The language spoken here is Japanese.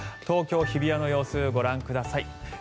東京・日比谷の様子ご覧ください。